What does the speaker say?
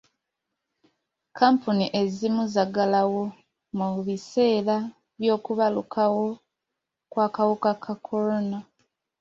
Kkampuni ezimu zaggalawo mu biseera by'okubalukawo kw'akawuka ka kolona.